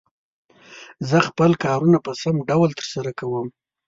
زه خپل کارونه په سم ډول تر سره کووم.